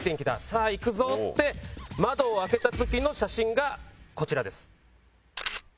さあ行くぞって窓を開けた時の写真がこちらです。